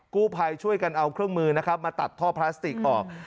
กู้ภัยช่วยกันเอาเครื่องมือนะครับมาตัดท่อพลาสติกออก